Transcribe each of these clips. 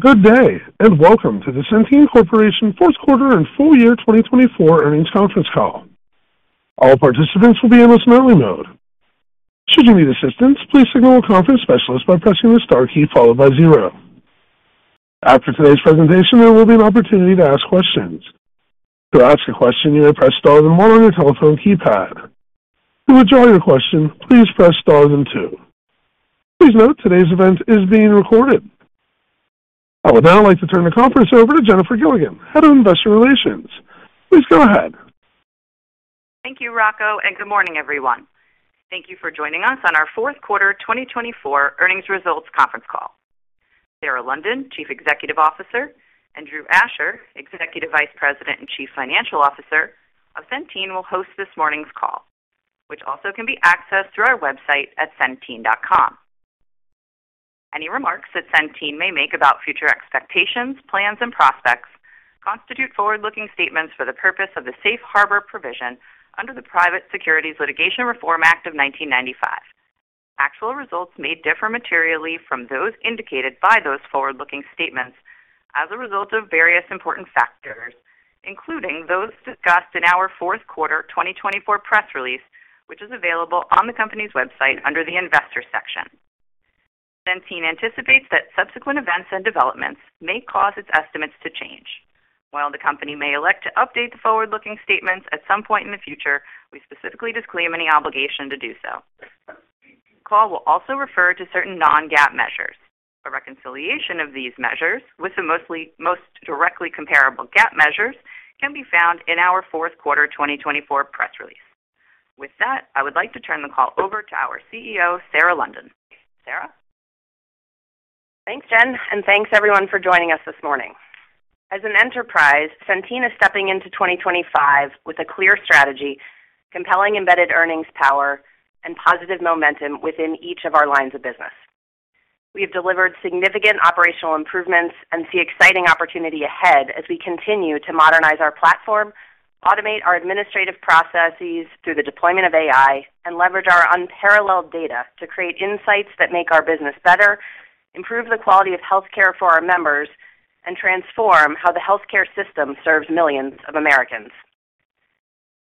Good day, and welcome to the Centene Corporation Fourth Quarter and Full Year 2024 Earnings Conference Call. All participants will be in listen-only mode. Should you need assistance, please signal a conference specialist by pressing the star key followed by zero. After today's presentation, there will be an opportunity to ask questions. To ask a question, you may press star then one on your telephone keypad. To withdraw your question, please press star then two. Please note today's event is being recorded. I would now like to turn the conference over to Jennifer Gilligan, Head of Investor Relations. Please go ahead. Thank you, Rocco, and good morning, everyone. Thank you for joining us on our Fourth Quarter 2024 Earnings results conference call. Sarah London, Chief Executive Officer, and Drew Asher, Executive Vice President and Chief Financial Officer of Centene, will host this morning's call, which also can be accessed through our website at Centene.com. Any remarks that Centene may make about future expectations, plans, and prospects constitute forward-looking statements for the purpose of the Safe Harbor Provision under the Private Securities Litigation Reform Act of 1995. Actual results may differ materially from those indicated by those forward-looking statements as a result of various important factors, including those discussed in our Fourth Quarter 2024 press release, which is available on the company's website under the Investor section. Centene anticipates that subsequent events and developments may cause its estimates to change. While the company may elect to update the forward-looking statements at some point in the future, we specifically disclaim any obligation to do so. The call will also refer to certain non-GAAP measures. A reconciliation of these measures with the most directly comparable GAAP measures can be found in our Fourth Quarter 2024 press release. With that, I would like to turn the call over to our CEO, Sarah London. Sarah? Thanks, Jen, and thanks, everyone, for joining us this morning. As an enterprise, Centene is stepping into 2025 with a clear strategy, compelling embedded earnings power, and positive momentum within each of our lines of business. We have delivered significant operational improvements and see exciting opportunity ahead as we continue to modernize our platform, automate our administrative processes through the deployment of AI, and leverage our unparalleled data to create insights that make our business better, improve the quality of healthcare for our members, and transform how the healthcare system serves millions of Americans.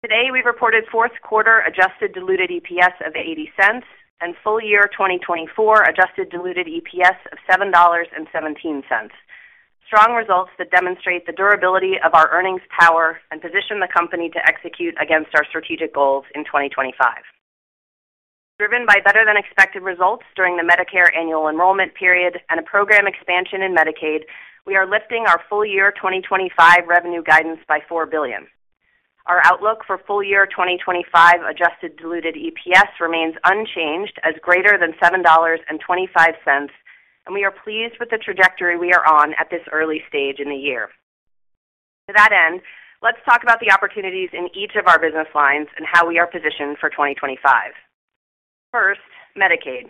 Today, we've reported Fourth Quarter adjusted diluted EPS of $0.80 and Full Year 2024 adjusted diluted EPS of $7.17, strong results that demonstrate the durability of our earnings power and position the company to execute against our strategic goals in 2025. Driven by better-than-expected results during the Medicare annual enrollment period and a program expansion in Medicaid, we are lifting our Full Year 2025 revenue guidance by $4 billion. Our outlook for Full Year 2025 Adjusted Diluted EPS remains unchanged as greater than $7.25, and we are pleased with the trajectory we are on at this early stage in the year. To that end, let's talk about the opportunities in each of our business lines and how we are positioned for 2025. First, Medicaid.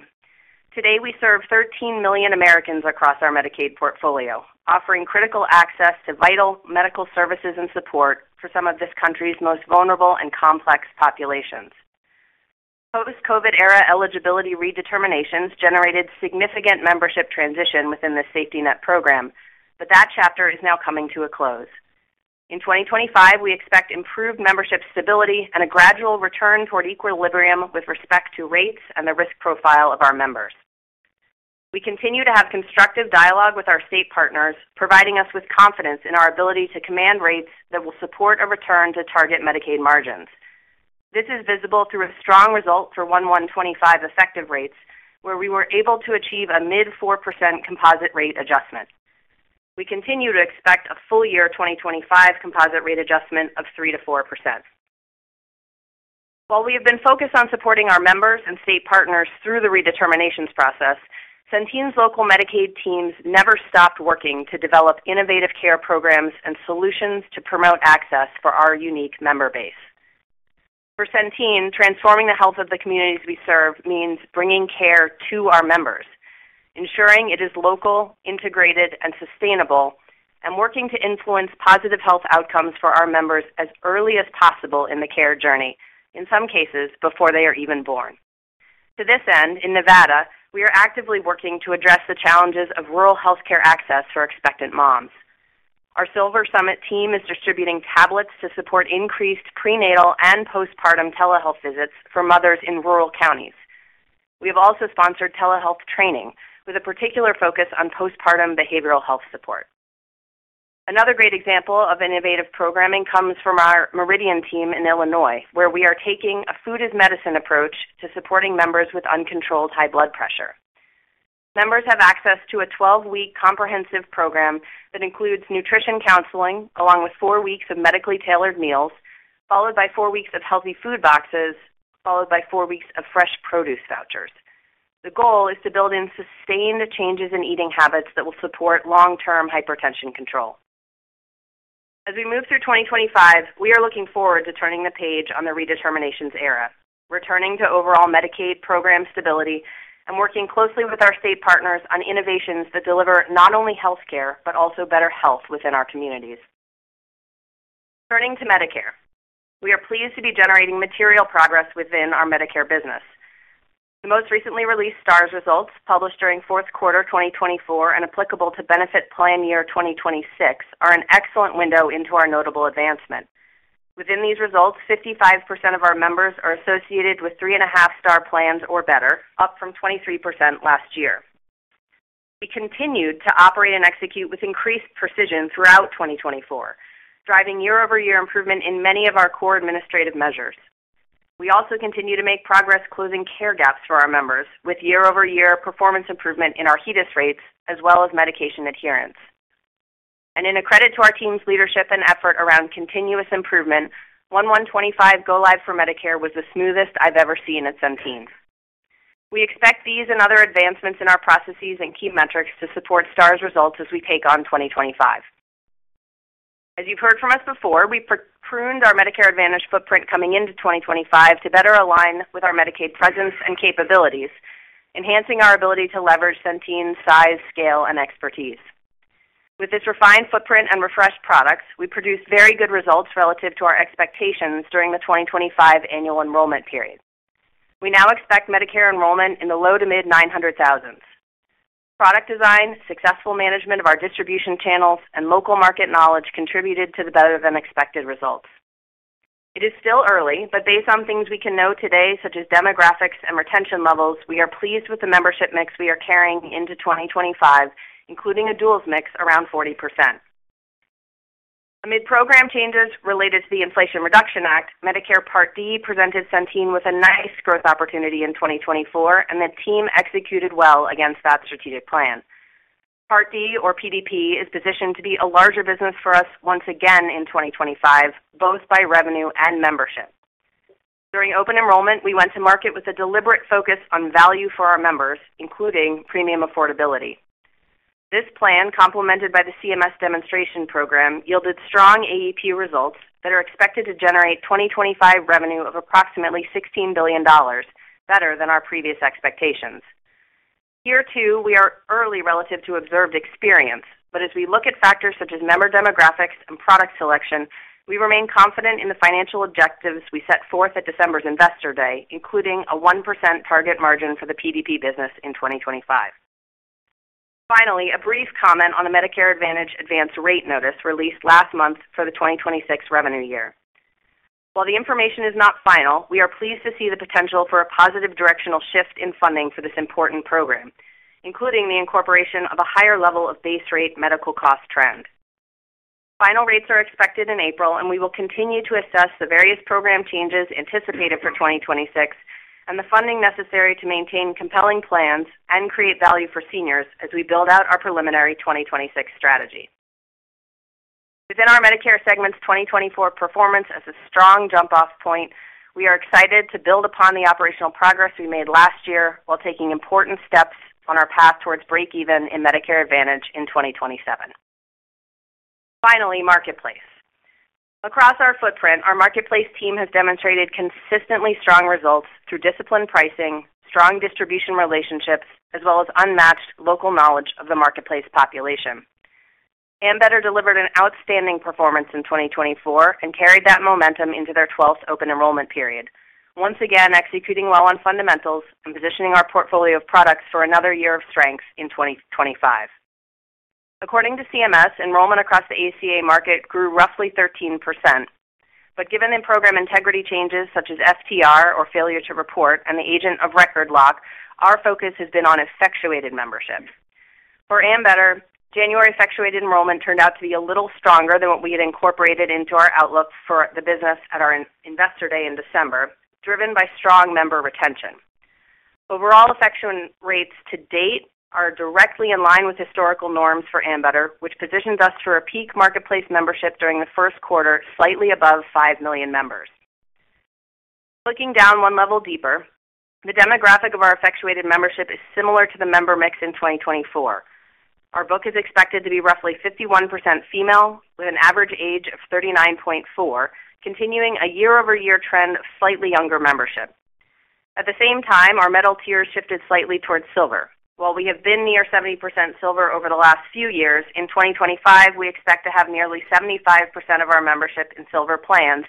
Today, we serve 13 million Americans across our Medicaid portfolio, offering critical access to vital medical services and support for some of this country's most vulnerable and complex populations. Post-COVID-era eligibility redeterminations generated significant membership transition within the Safety Net program, but that chapter is now coming to a close. In 2025, we expect improved membership stability and a gradual return toward equilibrium with respect to rates and the risk profile of our members. We continue to have constructive dialogue with our state partners, providing us with confidence in our ability to command rates that will support a return to target Medicaid margins. This is visible through a strong result for 1/1/2025 effective rates, where we were able to achieve a mid-4% composite rate adjustment. We continue to expect a full year 2025 composite rate adjustment of 3-4%. While we have been focused on supporting our members and state partners through the redeterminations process, Centene's local Medicaid teams never stopped working to develop innovative care programs and solutions to promote access for our unique member base. For Centene, transforming the health of the communities we serve means bringing care to our members, ensuring it is local, integrated, and sustainable, and working to influence positive health outcomes for our members as early as possible in the care journey, in some cases, before they are even born. To this end, in Nevada, we are actively working to address the challenges of rural healthcare access for expectant moms. Our SilverSummit team is distributing tablets to support increased prenatal and postpartum telehealth visits for mothers in rural counties. We have also sponsored telehealth training with a particular focus on postpartum behavioral health support. Another great example of innovative programming comes from our Meridian team in Illinois, where we are taking a food-as-medicine approach to supporting members with uncontrolled high blood pressure. Members have access to a 12-week comprehensive program that includes nutrition counseling along with four weeks of medically tailored meals, followed by four weeks of healthy food boxes, followed by four weeks of fresh produce vouchers. The goal is to build in sustained changes in eating habits that will support long-term hypertension control. As we move through 2025, we are looking forward to turning the page on the redeterminations era, returning to overall Medicaid program stability, and working closely with our state partners on innovations that deliver not only healthcare but also better health within our communities. Turning to Medicare, we are pleased to be generating material progress within our Medicare business. The most recently released Stars results, published during Fourth Quarter 2024 and applicable to benefit plan year 2026, are an excellent window into our notable advancement. Within these results, 55% of our members are associated with three-and-a-half-star plans or better, up from 23% last year. We continued to operate and execute with increased precision throughout 2024, driving year-over-year improvement in many of our core administrative measures. We also continue to make progress closing care gaps for our members with year-over-year performance improvement in our HEDIS rates as well as medication adherence. And in credit to our team's leadership and effort around continuous improvement, 1/1/2025 Go-Live for Medicare was the smoothest I've ever seen at Centene. We expect these and other advancements in our processes and key metrics to support Stars results as we take on 2025. As you've heard from us before, we've expanded our Medicare Advantage footprint coming into 2025 to better align with our Medicaid presence and capabilities, enhancing our ability to leverage Centene's size, scale, and expertise. With this refined footprint and refreshed products, we produced very good results relative to our expectations during the 2025 annual enrollment period. We now expect Medicare enrollment in the low to mid-900,000s. Product design, successful management of our distribution channels, and local market knowledge contributed to the better-than-expected results. It is still early, but based on things we can know today, such as demographics and retention levels, we are pleased with the membership mix we are carrying into 2025, including a duals mix around 40%. Amid program changes related to the Inflation Reduction Act, Medicare Part D presented Centene with a nice growth opportunity in 2024, and the team executed well against that strategic plan. Part D, or PDP, is positioned to be a larger business for us once again in 2025, both by revenue and membership. During open enrollment, we went to market with a deliberate focus on value for our members, including premium affordability. This plan, complemented by the CMS demonstration program, yielded strong AEP results that are expected to generate 2025 revenue of approximately $16 billion, better than our previous expectations. Here, too, we are early relative to observed experience, but as we look at factors such as member demographics and product selection, we remain confident in the financial objectives we set forth at December's Investor Day, including a 1% target margin for the PDP business in 2025. Finally, a brief comment on the Medicare Advantage Advance Rate Notice released last month for the 2026 revenue year. While the information is not final, we are pleased to see the potential for a positive directional shift in funding for this important program, including the incorporation of a higher level of base rate medical cost trend. Final rates are expected in April, and we will continue to assess the various program changes anticipated for 2026 and the funding necessary to maintain compelling plans and create value for seniors as we build out our preliminary 2026 strategy. Within our Medicare segment's 2024 performance as a strong jump-off point, we are excited to build upon the operational progress we made last year while taking important steps on our path towards break-even in Medicare Advantage in 2027. Finally, marketplace. Across our footprint, our marketplace team has demonstrated consistently strong results through disciplined pricing, strong distribution relationships, as well as unmatched local knowledge of the marketplace population. Ambetter delivered an outstanding performance in 2024 and carried that momentum into their 12th open enrollment period, once again executing well on fundamentals and positioning our portfolio of products for another year of strength in 2025. According to CMS, enrollment across the ACA market grew roughly 13%, but given the program integrity changes such as FTR or failure to report and the agent of record lock, our focus has been on effectuated membership. For Ambetter, January effectuated enrollment turned out to be a little stronger than what we had incorporated into our outlook for the business at our Investor Day in December, driven by strong member retention. Overall Effectuation Rates to date are directly in line with historical norms for Ambetter, which positions us for a peak marketplace membership during the first quarter, slightly above five million members. Looking down one level deeper, the demographic of our effectuated membership is similar to the member mix in 2024. Our book is expected to be roughly 51% female with an average age of 39.4, continuing a year-over-year trend of slightly younger membership. At the same time, our metal tier shifted slightly towards silver. While we have been near 70% silver over the last few years, in 2025, we expect to have nearly 75% of our membership in silver plans,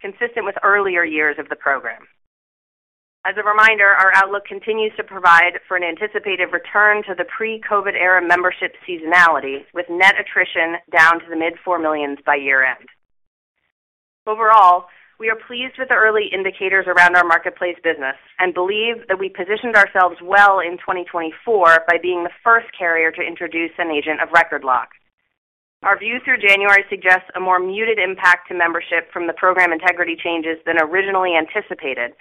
consistent with earlier years of the program. As a reminder, our outlook continues to provide for an anticipated return to the pre-COVID-era membership seasonality, with net attrition down to the mid-4 millions by year-end. Overall, we are pleased with the early indicators around our marketplace business and believe that we positioned ourselves well in 2024 by being the first carrier to introduce an Agent of Record Lock. Our view through January suggests a more muted impact to membership from the program integrity changes than originally anticipated,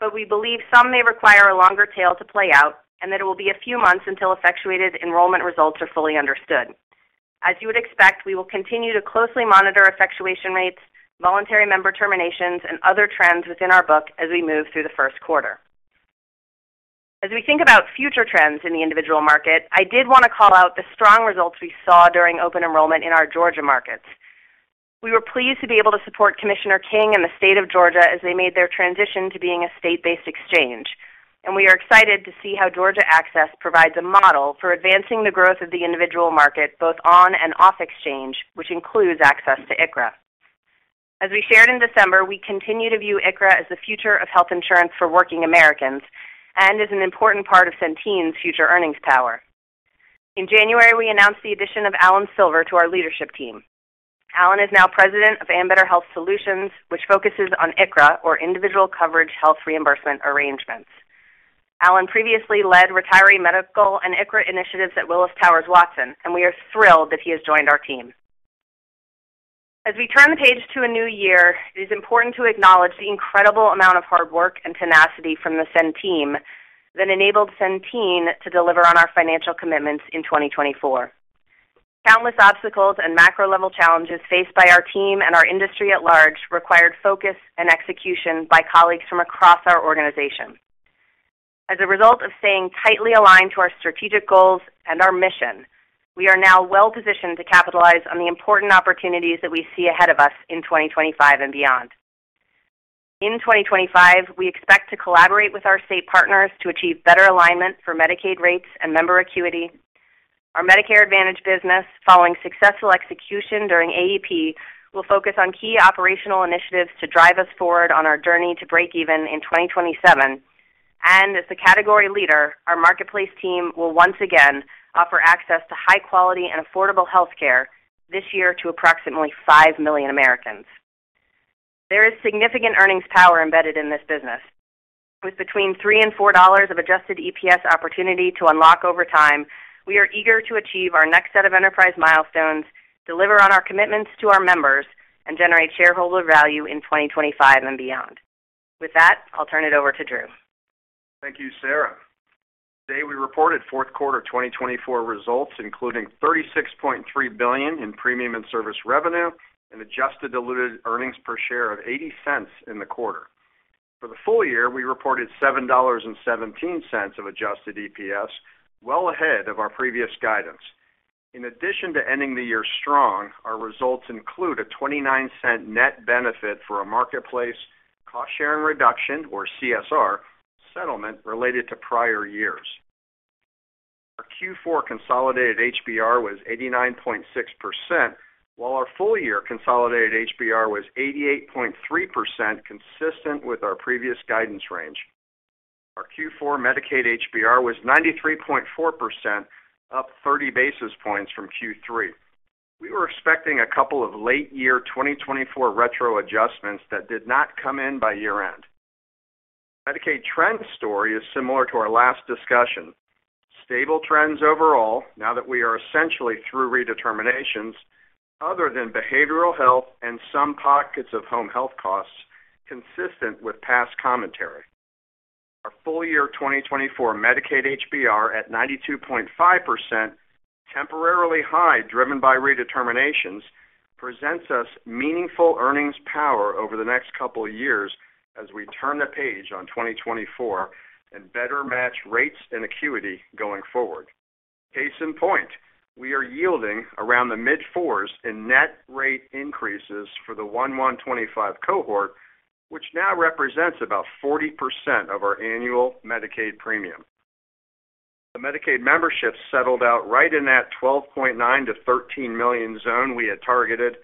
but we believe some may require a longer tail to play out and that it will be a few months until Effectuated Enrollment results are fully understood. As you would expect, we will continue to closely monitor Effectuation Rates, voluntary member terminations, and other trends within our book as we move through the first quarter. As we think about future trends in the individual market, I did want to call out the strong results we saw during open enrollment in our Georgia markets. We were pleased to be able to support Commissioner King and the state of Georgia as they made their transition to being a state-based exchange, and we are excited to see how Georgia Access provides a model for advancing the growth of the individual market both on and off exchange, which includes access to ICHRA. As we shared in December, we continue to view ICHRA as the future of health insurance for working Americans and as an important part of Centene's future earnings power. In January, we announced the addition of Alan Silver to our leadership team. Alan is now President of Ambetter Health Solutions, which focuses on ICHRA, or Individual Coverage Health Reimbursement Arrangements. Alan previously led retiree medical and ICHRA initiatives at Willis Towers Watson, and we are thrilled that he has joined our team. As we turn the page to a new year, it is important to acknowledge the incredible amount of hard work and tenacity from the Centene that enabled Centene to deliver on our financial commitments in 2024. Countless obstacles and macro-level challenges faced by our team and our industry at large required focus and execution by colleagues from across our organization. As a result of staying tightly aligned to our strategic goals and our mission, we are now well-positioned to capitalize on the important opportunities that we see ahead of us in 2025 and beyond. In 2025, we expect to collaborate with our state partners to achieve better alignment for Medicaid rates and member acuity. Our Medicare Advantage business, following successful execution during AEP, will focus on key operational initiatives to drive us forward on our journey to break-even in 2027. And as the category leader, our marketplace team will once again offer access to high-quality and affordable healthcare this year to approximately five million Americans. There is significant earnings power embedded in this business. With between $3 and $4 of adjusted EPS opportunity to unlock over time, we are eager to achieve our next set of enterprise milestones, deliver on our commitments to our members, and generate shareholder value in 2025 and beyond. With that, I'll turn it over to Drew. Thank you, Sarah. Today, we reported fourth quarter 2024 results, including $36.3 billion in premium and service revenue and adjusted diluted earnings per share of $0.80 in the quarter. For the full year, we reported $7.17 of adjusted EPS, well ahead of our previous guidance. In addition to ending the year strong, our results include a $0.29 net benefit for a marketplace cost-sharing reduction, or CSR, settlement related to prior years. Our Q4 consolidated HBR was 89.6%, while our full-year consolidated HBR was 88.3%, consistent with our previous guidance range. Our Q4 Medicaid HBR was 93.4%, up 30 basis points from Q3. We were expecting a couple of late-year 2024 retro adjustments that did not come in by year-end. Medicaid trend story is similar to our last discussion: stable trends overall now that we are essentially through redeterminations other than behavioral health and some pockets of home health costs consistent with past commentary. Our full-year 2024 Medicaid HBR at 92.5%, temporarily high driven by redeterminations, presents us meaningful earnings power over the next couple of years as we turn the page on 2024 and better match rates and acuity going forward. Case in point, we are yielding around the mid-4s in net rate increases for the 1/1/25 cohort, which now represents about 40% of our annual Medicaid premium. The Medicaid membership settled out right in that 12.9-13 million zone we had targeted,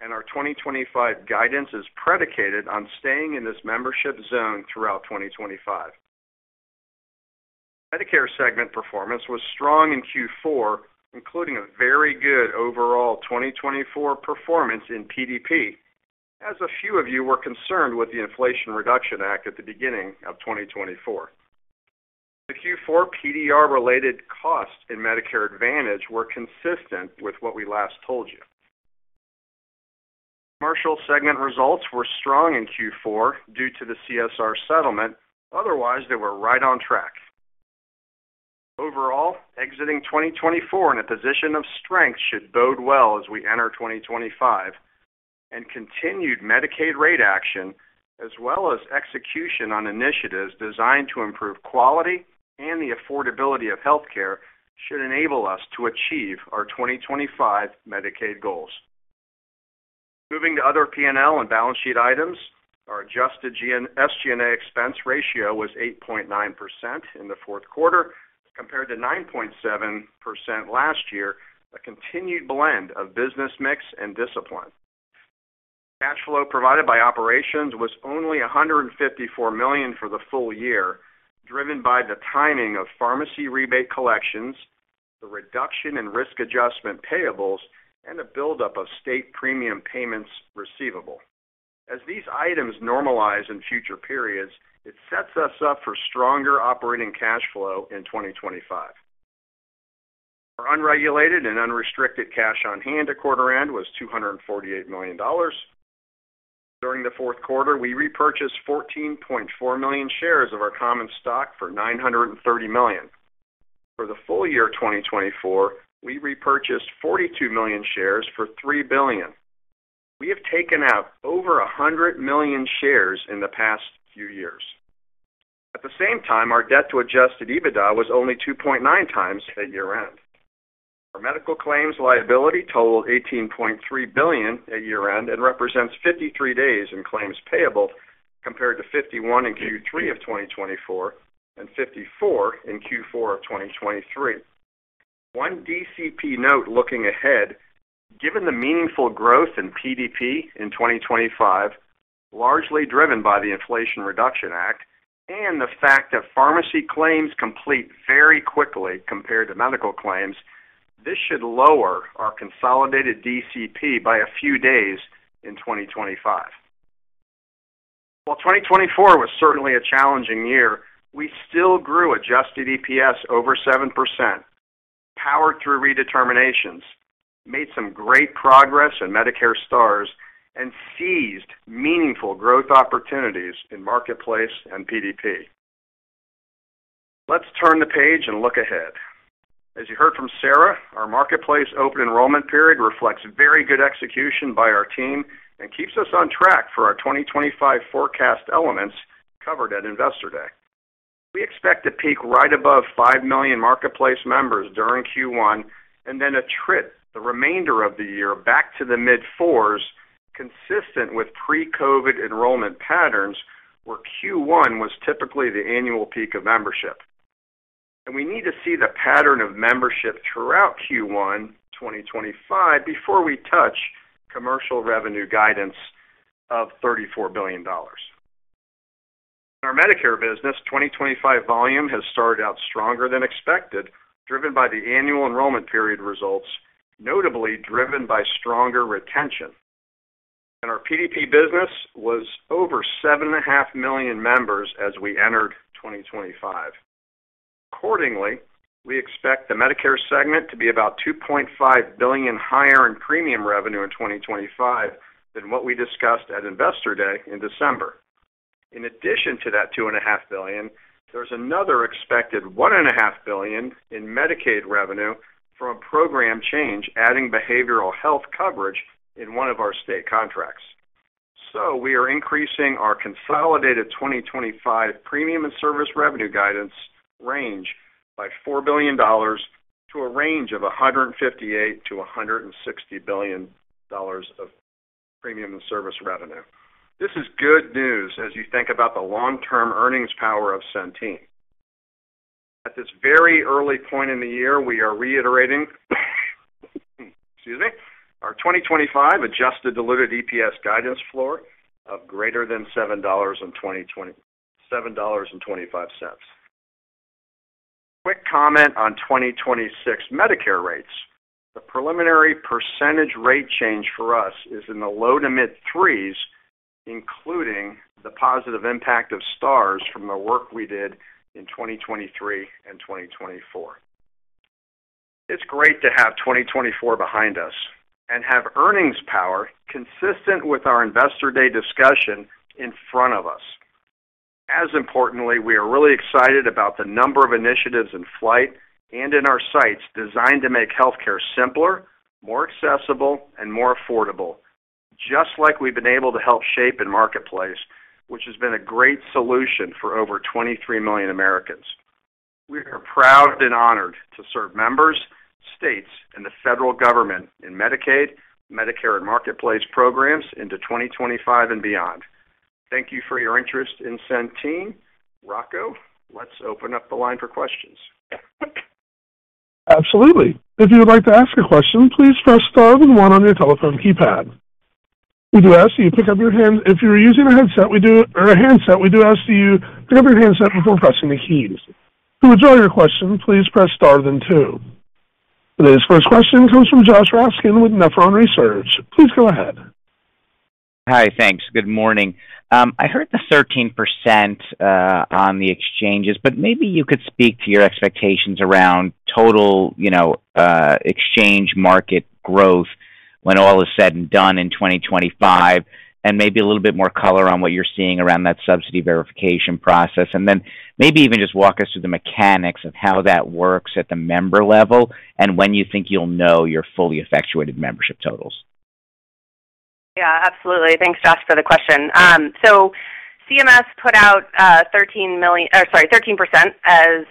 and our 2025 guidance is predicated on staying in this membership zone throughout 2025. Medicare segment performance was strong in Q4, including a very good overall 2024 performance in PDP, as a few of you were concerned with the Inflation Reduction Act at the beginning of 2024. The Q4 PDR-related costs in Medicare Advantage were consistent with what we last told you. Commercial segment results were strong in Q4 due to the CSR settlement. Otherwise, they were right on track. Overall, exiting 2024 in a position of strength should bode well as we enter 2025, and continued Medicaid rate action, as well as execution on initiatives designed to improve quality and the affordability of healthcare, should enable us to achieve our 2025 Medicaid goals. Moving to other P&L and balance sheet items, our adjusted SG&A expense ratio was 8.9% in the fourth quarter, compared to 9.7% last year, a continued blend of business mix and discipline. Cash flow provided by operations was only $154 million for the full year, driven by the timing of pharmacy rebate collections, the reduction in risk adjustment payables, and the buildup of state premium payments receivable. As these items normalize in future periods, it sets us up for stronger operating cash flow in 2025. Our unregulated and unrestricted cash on hand at quarter-end was $248 million. During the fourth quarter, we repurchased 14.4 million shares of our common stock for $930 million. For the full year 2024, we repurchased 42 million shares for $3 billion. We have taken out over 100 million shares in the past few years. At the same time, our debt to adjusted EBITDA was only 2.9 times at year-end. Our medical claims liability totaled $18.3 billion at year-end and represents 53 days in claims payable, compared to 51 in Q3 of 2024 and 54 in Q4 of 2023. One DCP note looking ahead: given the meaningful growth in PDP in 2025, largely driven by the Inflation Reduction Act and the fact that pharmacy claims complete very quickly compared to medical claims, this should lower our consolidated DCP by a few days in 2025. While 2024 was certainly a challenging year, we still grew adjusted EPS over 7%, powered through redeterminations, made some great progress in Medicare Stars, and seized meaningful growth opportunities in marketplace and PDP. Let's turn the page and look ahead. As you heard from Sarah, our marketplace open enrollment period reflects very good execution by our team and keeps us on track for our 2025 forecast elements covered at Investor Day. We expect to peak right above five million marketplace members during Q1 and then attrit the remainder of the year back to the mid-4s, consistent with pre-COVID enrollment patterns, where Q1 was typically the annual peak of membership, and we need to see the pattern of membership throughout Q1 2025 before we touch commercial revenue guidance of $34 billion. In our Medicare business, 2025 volume has started out stronger than expected, driven by the annual enrollment period results, notably driven by stronger retention. In our PDP business, it was over 7.5 million members as we entered 2025. Accordingly, we expect the Medicare segment to be about $2.5 billion higher in premium revenue in 2025 than what we discussed at Investor Day in December. In addition to that $2.5 billion, there's another expected $1.5 billion in Medicaid revenue from a program change adding behavioral health coverage in one of our state contracts. So we are increasing our consolidated 2025 premium and service revenue guidance range by $4 billion to a range of $158-$160 billion of premium and service revenue. This is good news as you think about the long-term earnings power of Centene. At this very early point in the year, we are reiterating, excuse me, our 2025 Adjusted Diluted EPS guidance floor of greater than $7.25. Quick comment on 2026 Medicare rates. The preliminary percentage rate change for us is in the low to mid-3s%, including the positive impact of Stars from the work we did in 2023 and 2024. It's great to have 2024 behind us and have earnings power consistent with our Investor Day discussion in front of us. As importantly, we are really excited about the number of initiatives in flight and in our sights designed to make healthcare simpler, more accessible, and more affordable, just like we've been able to help shape in marketplace, which has been a great solution for over 23 million Americans. We are proud and honored to serve members, states, and the federal government in Medicaid, Medicare, and marketplace programs into 2025 and beyond. Thank you for your interest in Centene. Rocco, let's open up the line for questions. Absolutely. If you would like to ask a question, please press Star then 1 on your telephone keypad. We do ask that you pick up your handset if you're using a headset or a handset. We do ask that you pick up your handset before pressing the keys. To withdraw your question, please press Star then 2. Today's first question comes from Josh Raskin with Nephron Research. Please go ahead. Hi, thanks. Good morning. I heard the 13% on the exchanges, but maybe you could speak to your expectations around total exchange market growth when all is said and done in 2025, and maybe a little bit more color on what you're seeing around that subsidy verification process, and then maybe even just walk us through the mechanics of how that works at the member level and when you think you'll know your fully effectuated membership totals. Yeah, absolutely. Thanks, Josh, for the question. So CMS put out 13 million, sorry, 13% as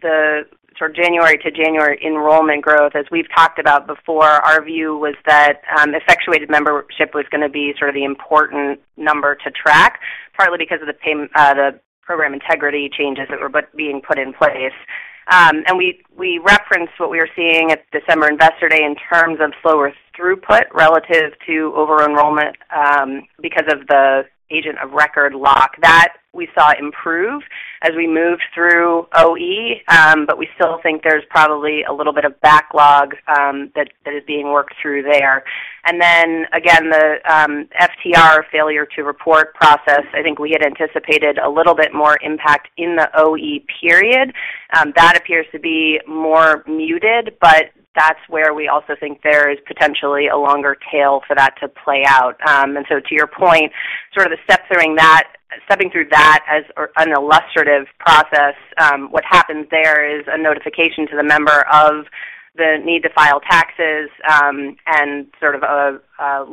the sort of January to January enrollment growth. As we've talked about before, our view was that effectuated membership was going to be sort of the important number to track, partly because of the program integrity changes that were being put in place. And we referenced what we were seeing at December Investor Day in terms of slower throughput relative to over-enrollment because of the agent of record lock. That we saw improve as we moved through OE, but we still think there's probably a little bit of backlog that is being worked through there. And then, again, the FTR Failure to Report process, I think we had anticipated a little bit more impact in the OE period. That appears to be more muted, but that's where we also think there is potentially a longer tail for that to play out. And so, to your point, sort of the stepping through that as an illustrative process, what happens there is a notification to the member of the need to file taxes and sort of a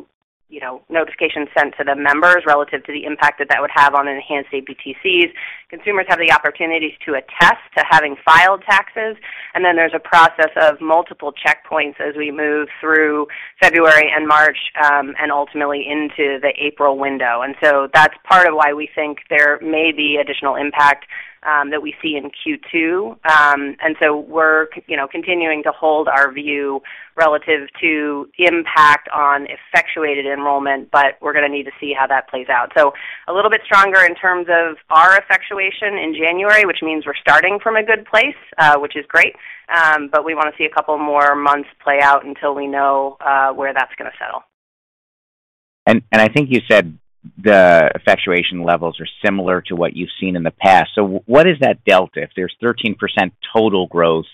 notification sent to the members relative to the impact that that would have on enhanced APTCs. Consumers have the opportunities to attest to having filed taxes, and then there's a process of multiple checkpoints as we move through February and March and ultimately into the April window. And so that's part of why we think there may be additional impact that we see in Q2. And so we're continuing to hold our view relative to impact on effectuated enrollment, but we're going to need to see how that plays out. So a little bit stronger in terms of our effectuation in January, which means we're starting from a good place, which is great, but we want to see a couple more months play out until we know where that's going to settle. And I think you said the effectuation levels are similar to what you've seen in the past. So what is that delta? If there's 13% total growth,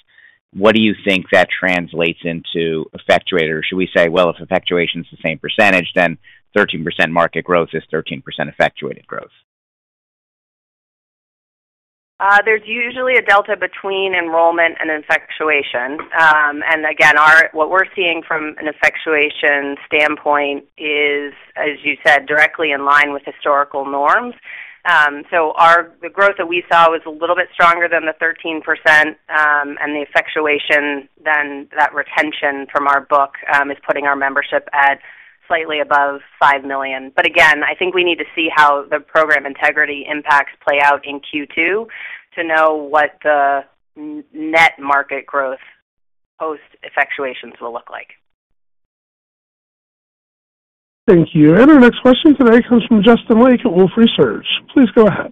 what do you think that translates into effectuated? Or should we say, well, if effectuation is the same percentage, then 13% market growth is 13% effectuated growth? There's usually a delta between enrollment and effectuation. And again, what we're seeing from an effectuation standpoint is, as you said, directly in line with historical norms. So the growth that we saw was a little bit stronger than the 13%, and the effectuation, then that retention from our book is putting our membership at slightly above 5 million. But again, I think we need to see how the program integrity impacts play out in Q2 to know what the net market growth post-effectuations will look like. Thank you. And our next question today comes from Justin Lake at Wolfe Research. Please go ahead.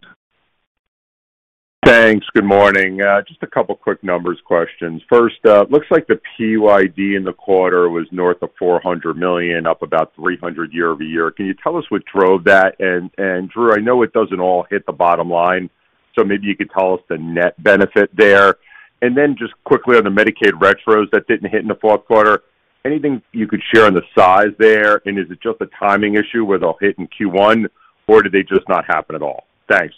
Thanks. Good morning. Just a couple of quick numbers questions. First, it looks like the PYD in the quarter was north of $400 million, up about $300 million year-over-year. Can you tell us what drove that? And Drew, I know it doesn't all hit the bottom line, so maybe you could tell us the net benefit there. And then just quickly on the Medicaid retros that didn't hit in the fourth quarter, anything you could share on the size there? And is it just a timing issue where they'll hit in Q1, or did they just not happen at all? Thanks.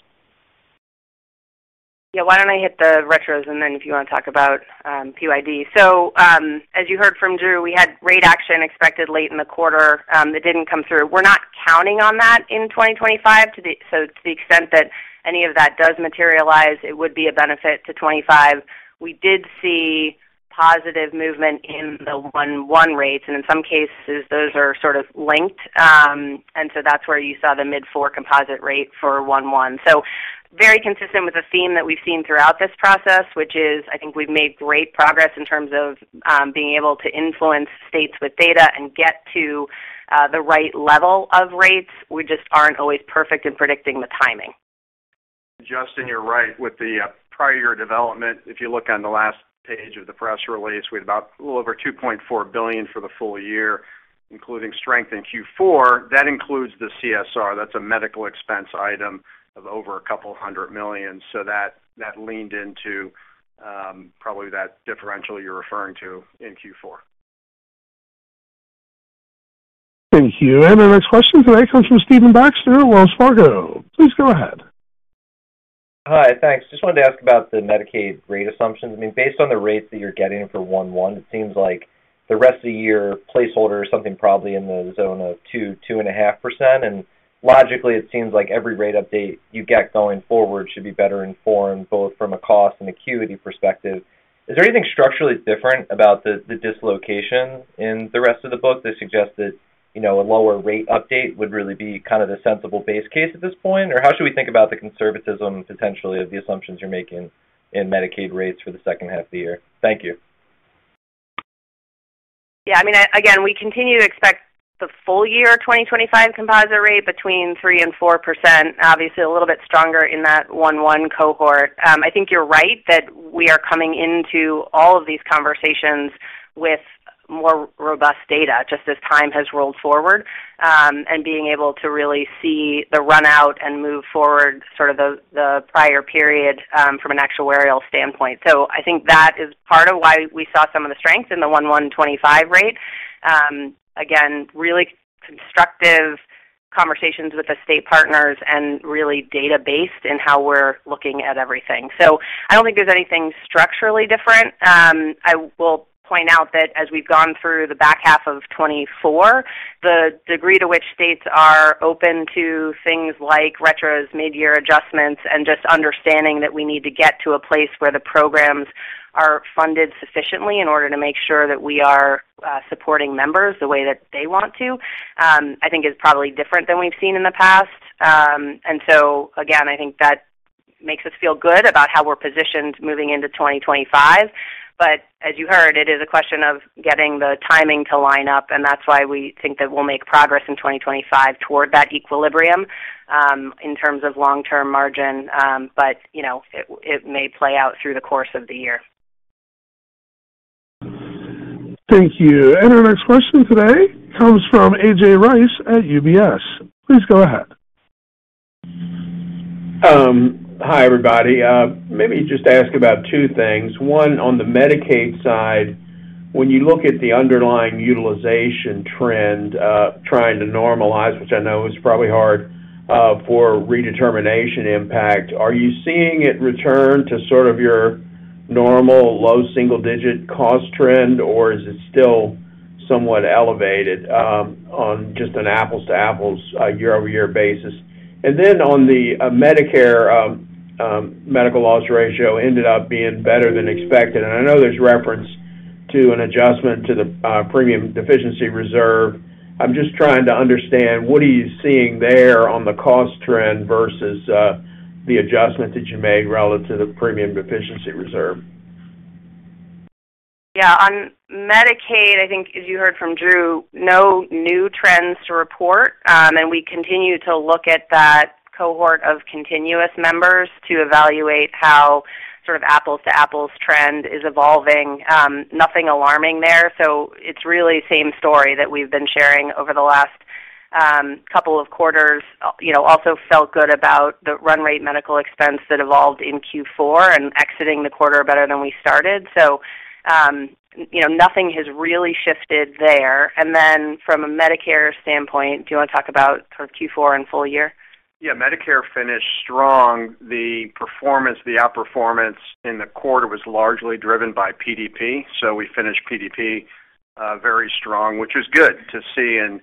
Yeah, why don't I hit the retros and then if you want to talk about PYD. So as you heard from Drew, we had rate action expected late in the quarter. It didn't come through. We're not counting on that in 2025. So to the extent that any of that does materialize, it would be a benefit to '25. We did see positive movement in the 1-1 rates, and in some cases, those are sort of linked, and so that's where you saw the mid-4 composite rate for 1-1, so very consistent with the theme that we've seen throughout this process, which is I think we've made great progress in terms of being able to influence states with data and get to the right level of rates. We just aren't always perfect in predicting the timing. Justin, you're right. With the prior year development, if you look on the last page of the press release, we had about a little over $2.4 billion for the full year, including strength in Q4. That includes the CSR. That's a medical expense item of over $200 million, so that leaned into probably that differential you're referring to in Q4. Thank you. And our next question today comes from Stephen Baxter at Wells Fargo. Please go ahead. Hi, thanks. Just wanted to ask about the Medicaid rate assumptions. I mean, based on the rates that you're getting for 1-1, it seems like the rest of the year placeholder is something probably in the zone of 2%-2.5%. And logically, it seems like every rate update you get going forward should be better informed both from a cost and acuity perspective. Is there anything structurally different about the dislocation in the rest of the book that suggests that a lower rate update would really be kind of the sensible base case at this point? Or how should we think about the conservatism potentially of the assumptions you're making in Medicaid rates for the second half of the year? Thank you. Yeah, I mean, again, we continue to expect the full year 2025 composite rate between 3%-4%, obviously a little bit stronger in that 1.1 cohort. I think you're right that we are coming into all of these conversations with more robust data just as time has rolled forward and being able to really see the runout and move forward sort of the prior period from an actuarial standpoint. So I think that is part of why we saw some of the strength in the 1.125 rate. Again, really constructive conversations with the state partners and really data-based in how we're looking at everything. So I don't think there's anything structurally different. I will point out that as we've gone through the back half of 2024, the degree to which states are open to things like retros, mid-year adjustments, and just understanding that we need to get to a place where the programs are funded sufficiently in order to make sure that we are supporting members the way that they want to, I think is probably different than we've seen in the past. And so, again, I think that makes us feel good about how we're positioned moving into 2025. But as you heard, it is a question of getting the timing to line up, and that's why we think that we'll make progress in 2025 toward that equilibrium in terms of long-term margin, but it may play out through the course of the year. Thank you. And our next question today comes from AJ Rice at UBS. Please go ahead. Hi everybody. Maybe just to ask about two things. One, on the Medicaid side, when you look at the underlying utilization trend, trying to normalize, which I know is probably hard for redetermination impact, are you seeing it return to sort of your normal low single-digit cost trend, or is it still somewhat elevated on just an apples-to-apples year-over-year basis? And then on the Medicare medical loss ratio ended up being better than expected. And I know there's reference to an adjustment to the premium deficiency reserve. I'm just trying to understand what are you seeing there on the cost trend versus the adjustment that you made relative to the premium deficiency reserve. Yeah, on Medicaid, I think, as you heard from Drew, no new trends to report. And we continue to look at that cohort of continuous members to evaluate how sort of apples-to-apples trend is evolving. Nothing alarming there. So it's really the same story that we've been sharing over the last couple of quarters. Also felt good about the run rate medical expense that evolved in Q4 and exiting the quarter better than we started. So nothing has really shifted there. And then from a Medicare standpoint, do you want to talk about sort of Q4 and full year? Yeah, Medicare finished strong. The outperformance in the quarter was largely driven by PDP. So we finished PDP very strong, which was good to see in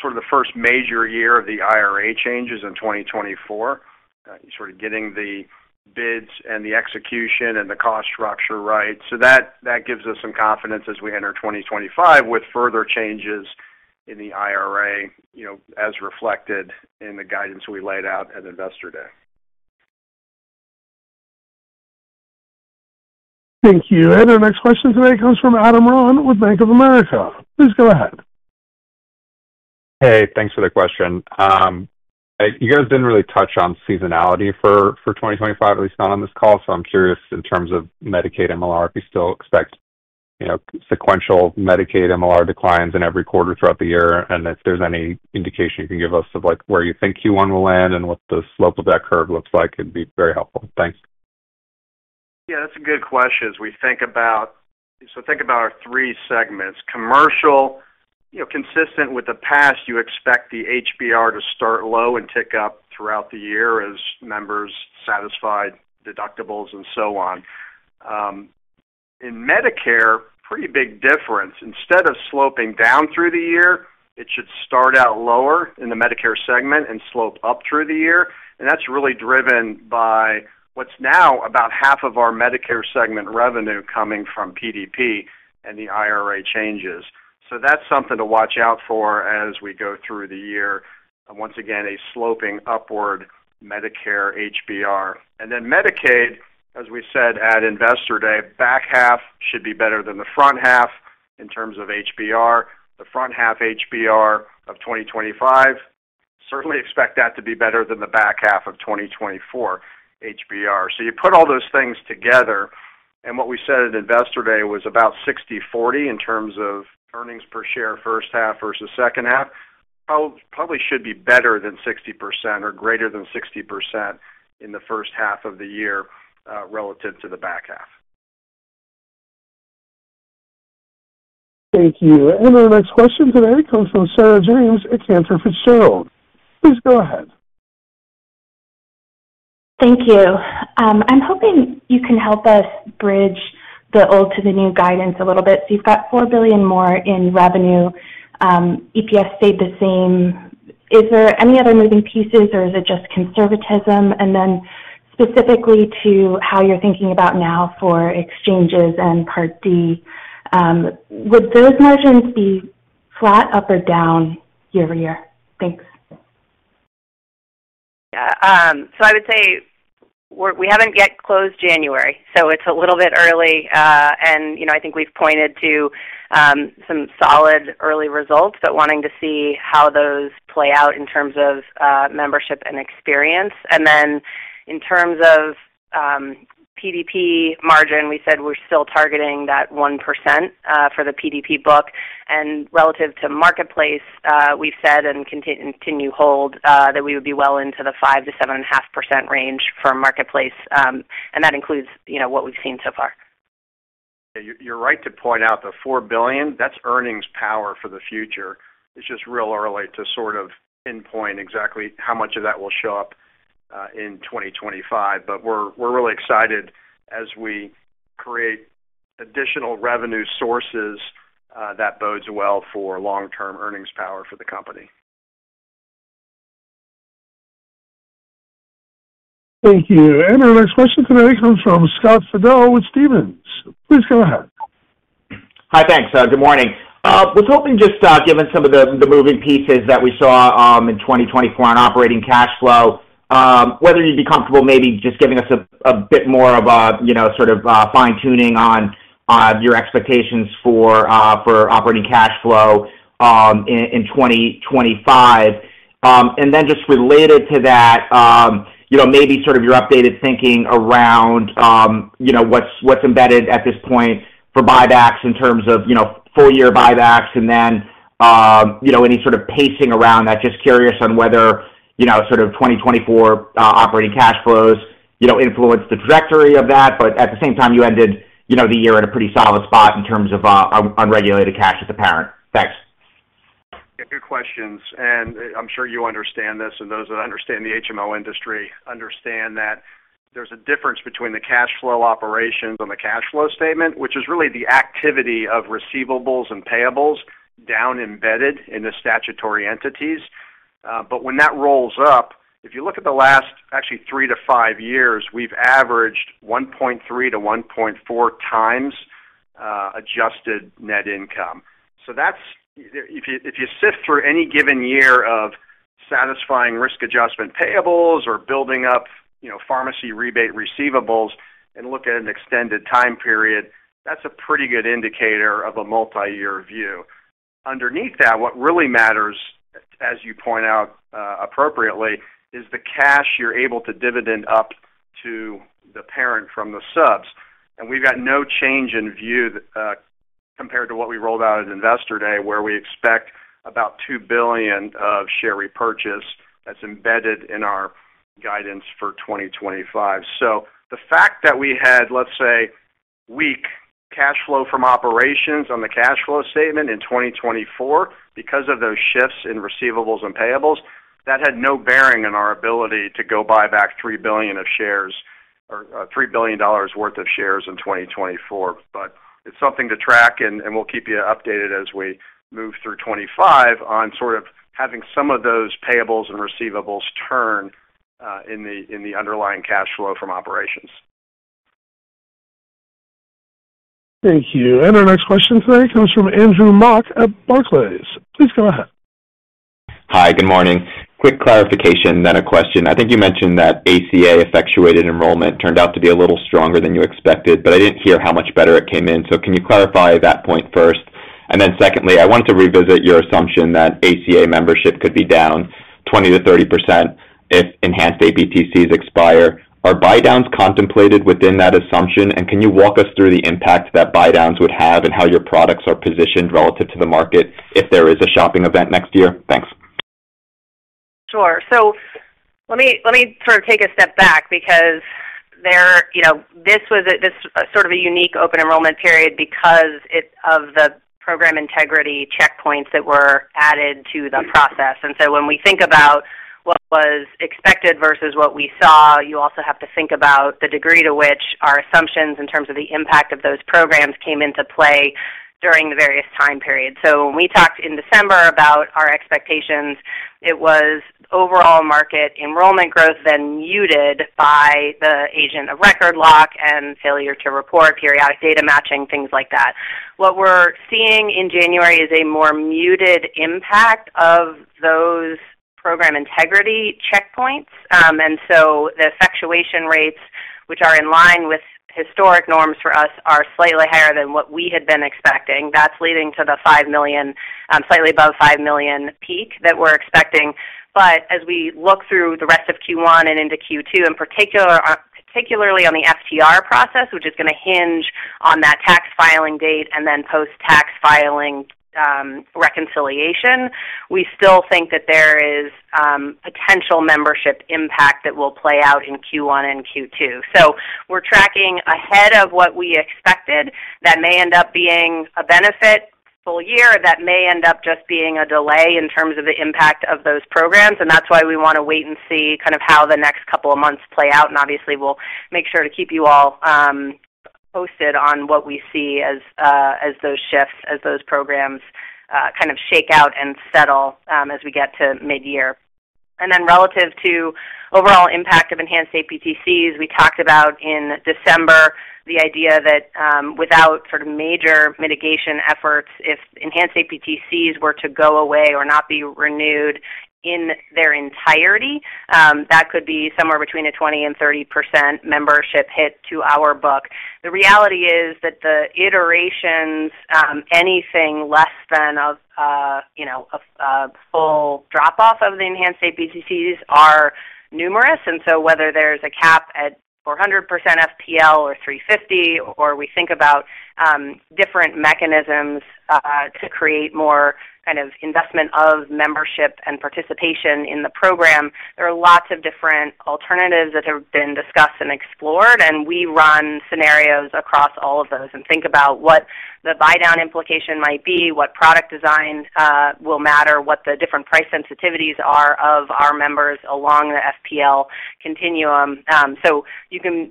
sort of the first major year of the IRA changes in 2024, sort of getting the bids and the execution and the cost structure right. So that gives us some confidence as we enter 2025 with further changes in the IRA as reflected in the guidance we laid out at Investor Day. Thank you. And our next question today comes from Adam Ron with Bank of America. Please go ahead. Hey, thanks for the question. You guys didn't really touch on seasonality for 2025, at least not on this call. So I'm curious in terms of Medicaid MLR, if you still expect sequential Medicaid MLR declines in every quarter throughout the year. And if there's any indication you can give us of where you think Q1 will end and what the slope of that curve looks like, it'd be very helpful. Thanks. Yeah, that's a good question. So think about our three segments. Commercial, consistent with the past, you expect the HBR to start low and tick up throughout the year as members satisfied deductibles and so on. In Medicare, pretty big difference. Instead of sloping down through the year, it should start out lower in the Medicare segment and slope up through the year, and that's really driven by what's now about half of our Medicare segment revenue coming from PDP and the IRA changes, so that's something to watch out for as we go through the year. Once again, a sloping upward Medicare HBR, and then Medicaid, as we said at Investor Day, back half should be better than the front half in terms of HBR. The front half HBR of 2025, certainly expect that to be better than the back half of 2024 HBR, so you put all those things together, and what we said at Investor Day was about 60/40 in terms of earnings per share first half versus second half. probably should be better than 60% or greater than 60% in the first half of the year relative to the back half. Thank you. Our next question today comes from Sarah James at Cantor Fitzgerald. Please go ahead. Thank you. I'm hoping you can help us bridge the old to the new guidance a little bit. So you've got $4 billion more in revenue. EPS stayed the same. Is there any other moving pieces, or is it just conservatism? And then specifically to how you're thinking about now for exchanges and Part D, would those margins be flat up or down year-over-year? Thanks. Yeah. So I would say we haven't yet closed January, so it's a little bit early. And I think we've pointed to some solid early results, but wanting to see how those play out in terms of membership and experience. And then in terms of PDP margin, we said we're still targeting that 1% for the PDP book. And relative to marketplace, we've said and continue hold that we would be well into the 5%-7.5% range for marketplace. And that includes what we've seen so far. Yeah, you're right to point out the $4 billion. That's earnings power for the future. It's just real early to sort of pinpoint exactly how much of that will show up in 2025. But we're really excited as we create additional revenue sources that bodes well for long-term earnings power for the company. Thank you. And our next question today comes from Scott Fidel with Stephens. Please go ahead. Hi, thanks. Good morning. Was hoping just given some of the moving pieces that we saw in 2024 on operating cash flow, whether you'd be comfortable maybe just giving us a bit more of a sort of fine-tuning on your expectations for operating cash flow in 2025? And then just related to that, maybe sort of your updated thinking around what's embedded at this point for buybacks in terms of full-year buybacks and then any sort of pacing around that. Just curious on whether sort of 2024 operating cash flows influence the trajectory of that. But at the same time, you ended the year at a pretty solid spot in terms of unrestricted cash at parent. Thanks. Good questions. I'm sure you understand this, and those that understand the HMO industry understand that there's a difference between the cash flow operations and the cash flow statement, which is really the activity of receivables and payables down embedded in the statutory entities. But when that rolls up, if you look at the last actually three to five years, we've averaged 1.3-1.4 times adjusted net income. So if you sift through any given year of satisfying risk adjustment payables or building up pharmacy rebate receivables and look at an extended time period, that's a pretty good indicator of a multi-year view. Underneath that, what really matters, as you point out appropriately, is the cash you're able to dividend up to the parent from the subs. We've got no change in view compared to what we rolled out at Investor Day, where we expect about $2 billion of share repurchase that's embedded in our guidance for 2025. So the fact that we had, let's say, weak cash flow from operations on the cash flow statement in 2024, because of those shifts in receivables and payables, that had no bearing on our ability to go buy back $3 billion of shares or $3 billion worth of shares in 2024. But it's something to track, and we'll keep you updated as we move through 2025 on sort of having some of those payables and receivables turn in the underlying cash flow from operations. Thank you. Our next question today comes from Andrew Mok at Barclays. Please go ahead. Hi, good morning. Quick clarification, then a question. I think you mentioned that ACA effectuated enrollment turned out to be a little stronger than you expected, but I didn't hear how much better it came in. So can you clarify that point first? And then secondly, I wanted to revisit your assumption that ACA membership could be down 20%-30% if enhanced APTCs expire. Are buy-downs contemplated within that assumption? And can you walk us through the impact that buy-downs would have and how your products are positioned relative to the market if there is a shopping event next year? Thanks. Sure. So let me sort of take a step back because this was sort of a unique open enrollment period because of the program integrity checkpoints that were added to the process. And so when we think about what was expected versus what we saw, you also have to think about the degree to which our assumptions in terms of the impact of those programs came into play during the various time periods. So when we talked in December about our expectations, it was overall market enrollment growth then muted by the agent of record lock and failure to report, periodic data matching, things like that. What we're seeing in January is a more muted impact of those program integrity checkpoints. And so the Effectuation Rates, which are in line with historic norms for us, are slightly higher than what we had been expecting. That's leading to the 5 million, slightly above 5 million peak that we're expecting. But as we look through the rest of Q1 and into Q2, and particularly on the FTR process, which is going to hinge on that tax filing date and then post-tax filing reconciliation, we still think that there is potential membership impact that will play out in Q1 and Q2. So we're tracking ahead of what we expected that may end up being a benefit full year, that may end up just being a delay in terms of the impact of those programs. And that's why we want to wait and see kind of how the next couple of months play out. And obviously, we'll make sure to keep you all posted on what we see as those shifts, as those programs kind of shake out and settle as we get to mid-year. And then relative to overall impact of enhanced APTCs, we talked about in December the idea that without sort of major mitigation efforts, if enhanced APTCs were to go away or not be renewed in their entirety, that could be somewhere between a 20%-30% membership hit to our book. The reality is that the iterations, anything less than a full drop-off of the enhanced APTCs are numerous. And so whether there's a cap at 400% FPL or 350, or we think about different mechanisms to create more kind of investment of membership and participation in the program, there are lots of different alternatives that have been discussed and explored. And we run scenarios across all of those and think about what the buy-down implication might be, what product design will matter, what the different price sensitivities are of our members along the FPL continuum. So you can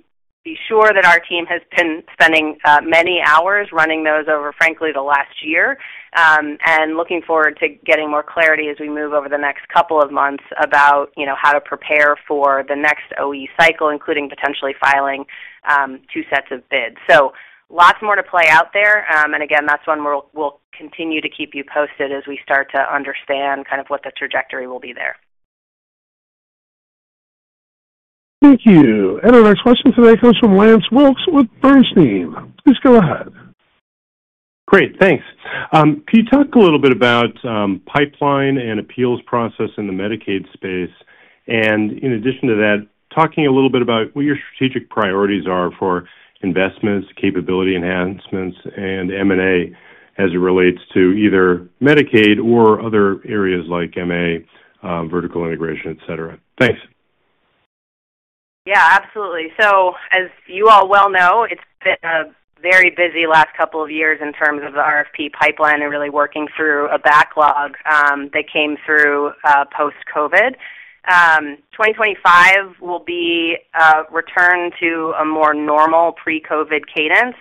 be sure that our team has been spending many hours running those over, frankly, the last year and looking forward to getting more clarity as we move over the next couple of months about how to prepare for the next OE cycle, including potentially filing two sets of bids. So lots more to play out there. And again, that's one we'll continue to keep you posted as we start to understand kind of what the trajectory will be there. Thank you. And our next question today comes from Lance Wilkes with Bernstein. Please go ahead. Great. Thanks. Can you talk a little bit about pipeline and appeals process in the Medicaid space? And in addition to that, talking a little bit about what your strategic priorities are for investments, capability enhancements, and M&A as it relates to either Medicaid or other areas like M&A, vertic al integration, etc. Thanks. Yeah, absolutely. So as you all well know, it's been a very busy last couple of years in terms of the RFP pipeline and really working through a backlog that came through post-COVID. 2025 will be a return to a more normal pre-COVID cadence.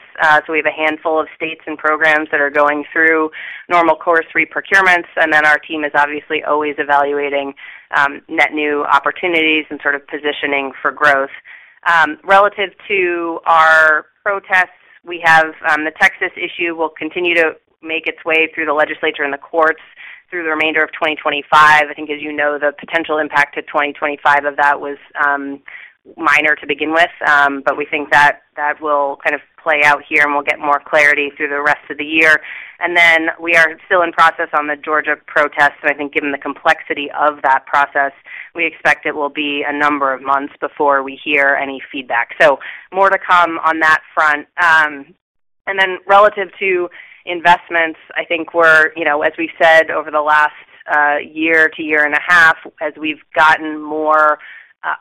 So we have a handful of states and programs that are going through normal course reprocurements. And then our team is obviously always evaluating net new opportunities and sort of positioning for growth. Relative to our protests, we have the Texas issue will continue to make its way through the legislature and the courts through the remainder of 2025. I think, as you know, the potential impact to 2025 of that was minor to begin with. But we think that that will kind of play out here and we'll get more clarity through the rest of the year. And then we are still in process on the Georgia protests. And I think given the complexity of that process, we expect it will be a number of months before we hear any feedback. So more to come on that front. And then relative to investments, I think we're, as we've said, over the last year to year and a half, as we've gotten more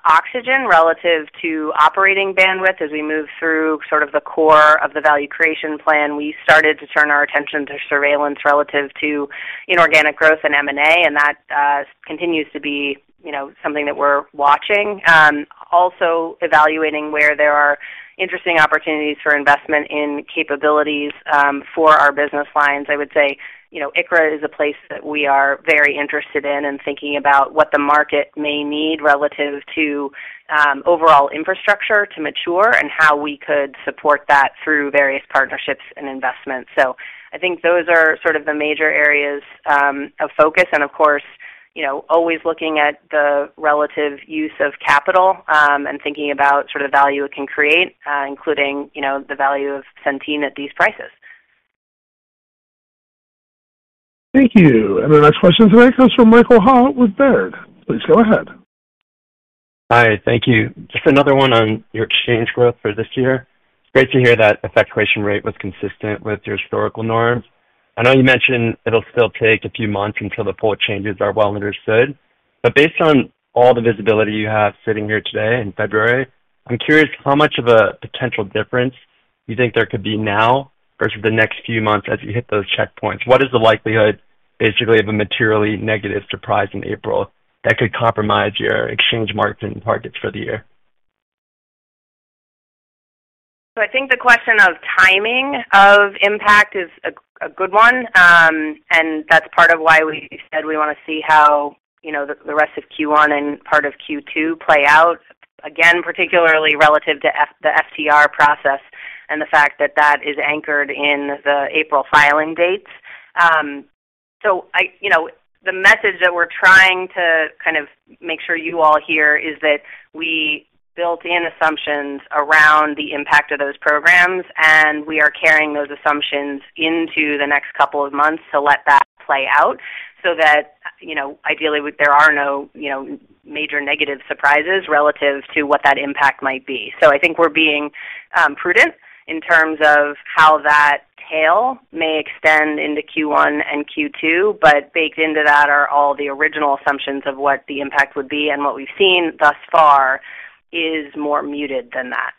oxygen relative to operating bandwidth, as we move through sort of the core of the value creation plan, we started to turn our attention to surveillance relative to inorganic growth and M&A. And that continues to be something that we're watching. Also evaluating where there are interesting opportunities for investment in capabilities for our business lines. I would say ICHRA is a place that we are very interested in and thinking about what the market may need relative to overall infrastructure to mature and how we could support that through various partnerships and investments. So I think those are sort of the major areas of focus. And of course, always looking at the relative use of capital and thinking about sort of value it can create, including the value of Centene at these prices. Thank you. And our next question today comes from Michael Ha with Baird. Please go ahead. Hi. Thank you. Just another one on your exchange growth for this year. It's great to hear that effectuation rate was consistent with your historical norms. I know you mentioned it'll still take a few months until the full changes are well understood. But based on all the visibility you have sitting here today in February, I'm curious how much of a potential difference you think there could be now versus the next few months as you hit those checkpoints. What is the likelihood, basically, of a materially negative surprise in April that could compromise your exchange markets and targets for the year? So I think the question of timing of impact is a good one. And that's part of why we said we want to see how the rest of Q1 and part of Q2 play out. Again, particularly relative to the FTR process and the fact that that is anchored in the April filing dates. So the message that we're trying to kind of make sure you all hear is that we built in assumptions around the impact of those programs. And we are carrying those assumptions into the next couple of months to let that play out so that ideally there are no major negative surprises relative to what that impact might be. So I think we're being prudent in terms of how that tail may extend into Q1 and Q2. But baked into that are all the original assumptions of what the impact would be. And what we've seen thus far is more muted than that.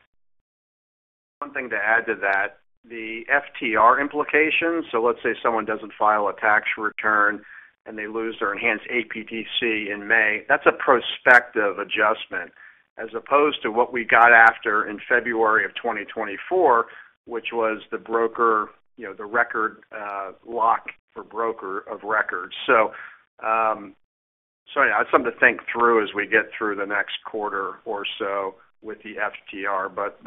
One thing to add to that, the FTR implications. So let's say someone doesn't file a tax return and they lose their enhanced APTC in May. That's a prospective adjustment as opposed to what we got after in February of 2024, which was the agent of record lock for agents of record. So yeah, it's something to think through as we get through the next quarter or so with the FTR. But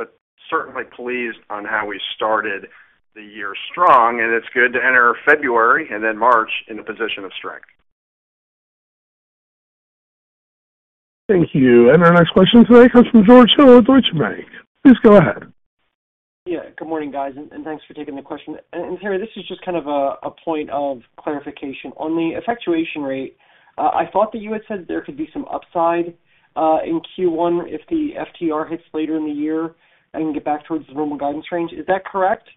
certainly pleased on how we started the year strong. And it's good to enter February and then March in a position of strength. Thank you. And our next question today comes from George Hill at Deutsche Bank. Please go ahead. Yeah. Good morning, guys. And thanks for taking the question. And Henry, this is just kind of a point of clarification. On the effectuation rate, I thought that you had said there could be some upside in Q1 if the FTR hits later in the year and get back towards the normal guidance range. Is that correct?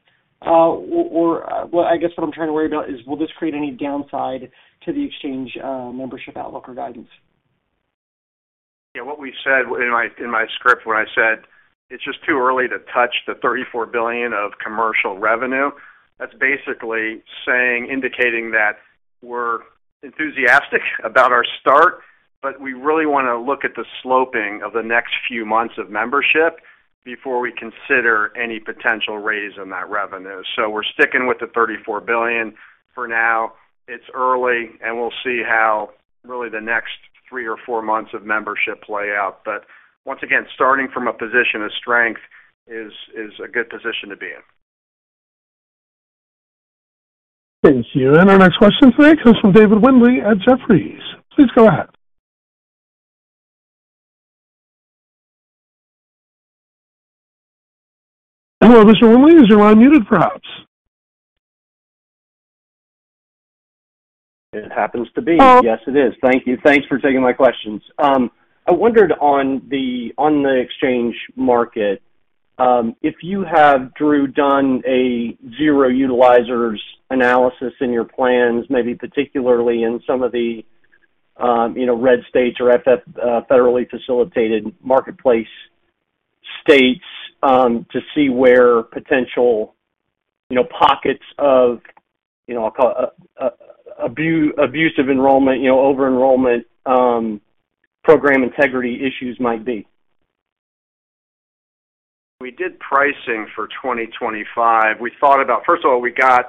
Or I guess what I'm trying to worry about is, will this create any downside to the exchange membership outlook or guidance? Yeah. What we said in my script when I said it's just too early to touch the $34 billion of commercial revenue. That's basically saying, indicating that we're enthusiastic about our start, but we really want to look at the sloping of the next few months of membership before we consider any potential raise in that revenue. So we're sticking with the $34 billion for now. It's early, and we'll see how really the next three or four months of membership play out. But once again, starting from a position of strength is a good position to be in. Thank you. And our next question today comes from David Windley at Jefferies. Please go ahead. Hello, Mr. Windley. Is your line muted perhaps? It happens to be. Yes, it is. Thank you. Thanks for taking my questions. I wondered on the exchange market, if you have, Drew, done a zero utilizers analysis in your plans, maybe particularly in some of the red states or federally facilitated marketplace states to see where potential pockets of, I'll call it, abusive enrollment, over-enrollment program integrity issues might be. We did pricing for 2025. We thought about, first of all, we got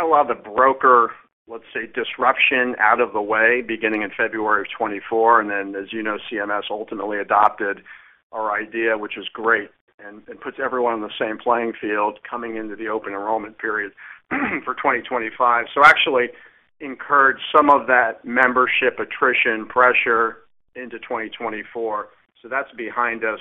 a lot of the broker, let's say, disruption out of the way beginning in February of 2024. And then, as you know, CMS ultimately adopted our idea, which is great and puts everyone on the same playing field coming into the open enrollment period for 2025. So actually encouraged some of that membership attrition pressure into 2024. So that's behind us.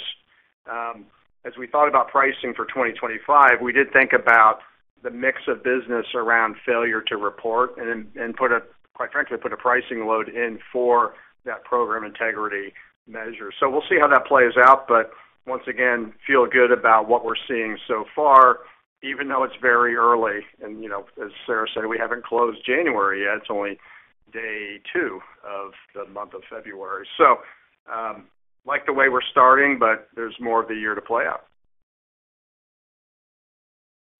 As we thought about pricing for 2025, we did think about the mix of business around failure to report and, quite frankly, put a pricing load in for that program integrity measure. So we'll see how that plays out. But once again, feel good about what we're seeing so far, even though it's very early. And as Sarah said, we haven't closed January yet. It's only day two of the month of February. So like the way we're starting, but there's more of the year to play out.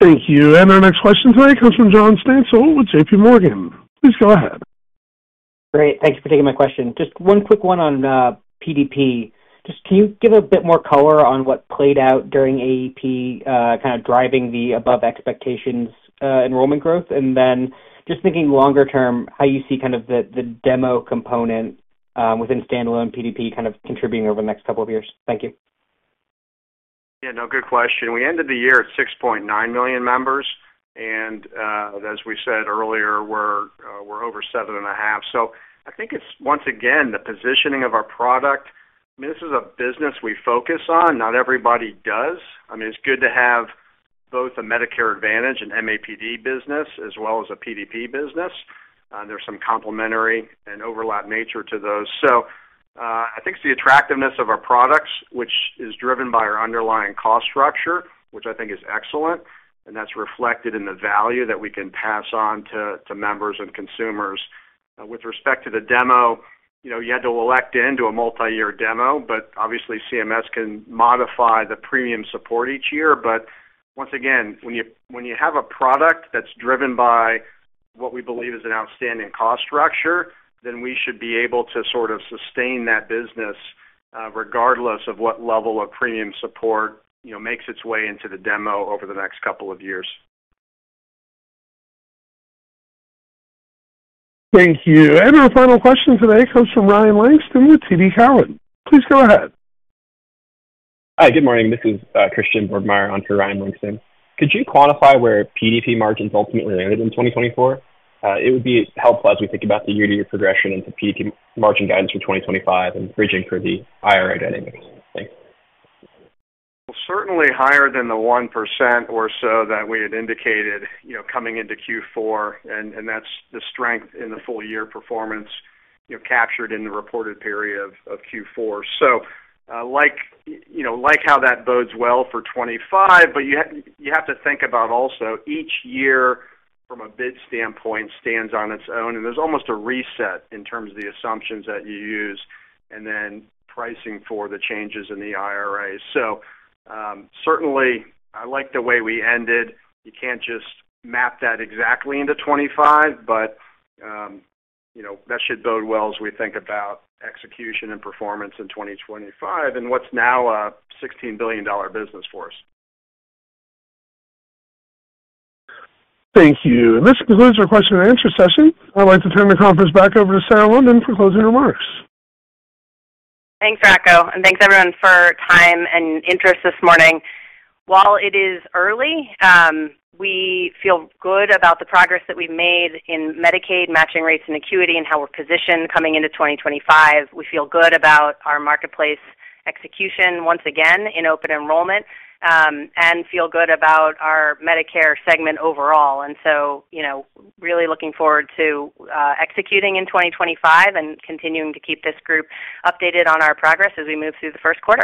Thank you. And our next question today comes from John Stansell with JPMorgan. Please go ahead. Great. Thank you for taking my question. Just one quick one on PDP. Just can you give a bit more color on what played out during AEP kind of driving the above-expectations enrollment growth? And then, just thinking longer term, how you see kind of the demo component within standalone PDP kind of contributing over the next couple of years. Thank you. Yeah. No, good question. We ended the year at 6.9 million members. And as we said earlier, we're over 7.5. So I think it's, once again, the positioning of our product. I mean, this is a business we focus on. Not everybody does. I mean, it's good to have both a Medicare Advantage and MAPD business as well as a PDP business. There's some complementary and overlap nature to those. So I think it's the attractiveness of our products, which is driven by our underlying cost structure, which I think is excellent. And that's reflected in the value that we can pass on to members and consumers. With respect to the demo, you had to elect into a multi-year demo, but obviously CMS can modify the premium support each year. But once again, when you have a product that's driven by what we believe is an outstanding cost structure, then we should be able to sort of sustain that business regardless of what level of premium support makes its way into the demo over the next couple of years. Thank you. And our final question today comes from Ryan Langston with TD Cowen. Please go ahead. Hi. Good morning. This is Christian Bergmeyer on for Ryan Langston. Could you quantify where PDP margins ultimately landed in 2024? It would be helpful as we think about the year-to-year progression into PDP margin guidance for 2025 and bridging for the IRA dynamics. Thanks. Well, certainly higher than the 1% or so that we had indicated coming into Q4. And that's the strength in the full-year performance captured in the reported period of Q4. So like how that bodes well for 2025, but you have to think about also each year from a bid standpoint stands on its own. And there's almost a reset in terms of the assumptions that you use and then pricing for the changes in the IRA. So certainly, I like the way we ended. You can't just map that exactly into 2025, but that should bode well as we think about execution and performance in 2025 and what's now a $16 billion business for us. Thank you. And this concludes our question and answer session. I'd like to turn the conference back over to Sarah London for closing remarks. Thanks, Rocco. And thanks, everyone, for time and interest this morning. While it is early, we feel good about the progress that we've made in Medicaid matching rates and acuity and how we're positioned coming into 2025. We feel good about our marketplace execution once again in open enrollment and feel good about our Medicare segment overall. And so really looking forward to executing in 2025 and continuing to keep this group updated on our progress as we move through the first quarter.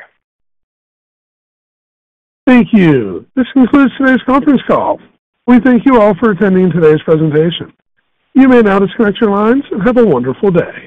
Thank you. This concludes today's conference call. We thank you all for attending today's presentation. You may now disconnect your lines and have a wonderful day.